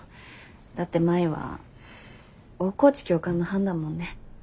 だって舞は大河内教官の班だもんね。